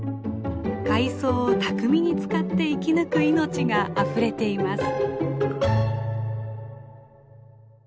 海藻を巧みに使って生き抜く命があふれています。